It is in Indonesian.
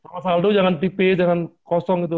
kalau saldo jangan tipis jangan kosong gitu